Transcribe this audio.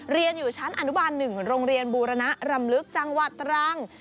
เรียนอยู่ชั้นอนุบาล๑โรงเรียนบูรณรำลึกจังหวัดตรัง